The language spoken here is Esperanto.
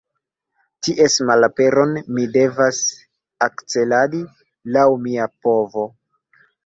Ties malaperon mi devas akceladi laŭ mia povo.